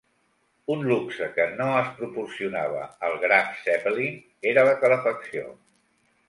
Un luxe que no es proporcionava al "Graf Zeppelin" era la calefacció.